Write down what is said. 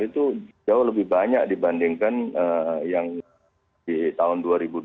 itu jauh lebih banyak dibandingkan yang di tahun dua ribu dua puluh